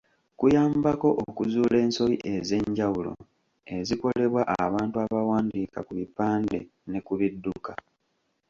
Kuyambako okuzuula ensobi ez’enjawulo ezikolebwa abantu abawandiika ku bipande ne ku bidduka.